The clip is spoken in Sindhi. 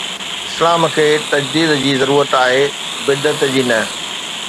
اسلام کي تجديد جي ضرورت آهي، بدعت جي نه.